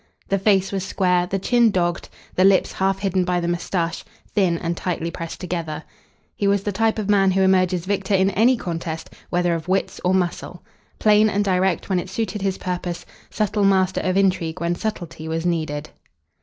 The face was square, the chin dogged, the lips, half hidden by the moustache, thin and tightly pressed together. He was the type of man who emerges victor in any contest, whether of wits or muscle. Plain and direct when it suited his purpose; subtle master of intrigue when subtlety was needed.